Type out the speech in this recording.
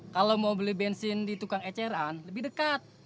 kalau mau beli bensin di tukang eceran lebih dekat